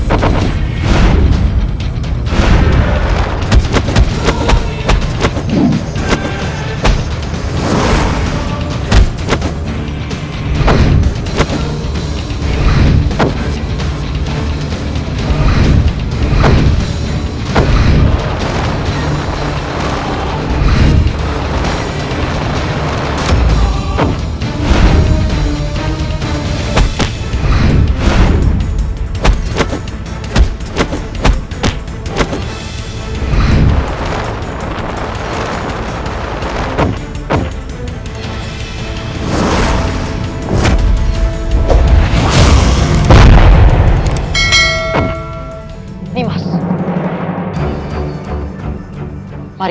aku bisa menghadapi kalian berdua